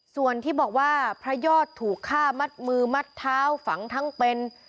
ส่วนที่บอกว่าพระยอดถูกฆ่ามัดมือมัดเท้าฝังทั้งเป็น